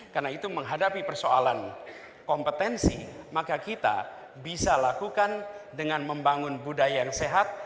karena itu menghadapi persoalan kompetensi maka kita bisa lakukan dengan membangun budaya yang sehat